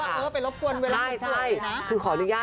ไม่ใช่ว่าเอ้อเป็นรบกวนเวลา